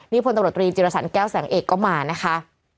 นี่พลตมตรีจิรสรรแก้วแสงเอกก็มานะคะ